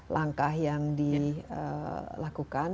langkah yang dilakukan